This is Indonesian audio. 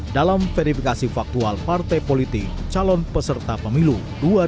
dalam verifikasi faktual partai politik calon peserta pemilu dua ribu dua puluh